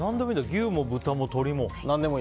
牛も豚も鶏も。